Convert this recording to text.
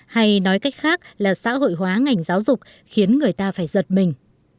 hay nói cách khác là xã hội hóa ngành giáo dục khiến người ta phải giật mình